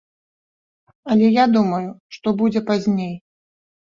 Але я думаю, што будзе пазней.